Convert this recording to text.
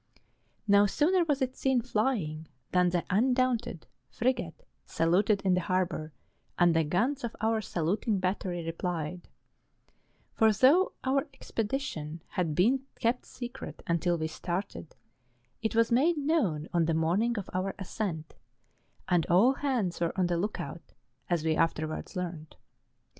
No sooner was it seen flying than the Un¬ daunted, frigate, saluted in the harbour, and the guns of our saluting battery replied; for though our ex¬ pedition had been kept secret until we started, it was made known on the morning of our ascent, and all hands were on the look out, as we afterwards learnt.